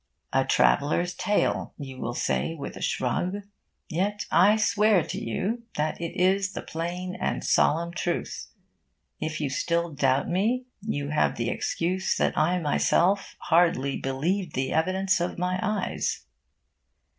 'A traveller's tale' you will say, with a shrug. Yet I swear to you that it is the plain and solemn truth. If you still doubt me, you have the excuse that I myself hardly believed the evidence of my eyes.